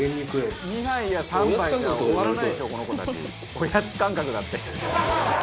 おやつ感覚だって。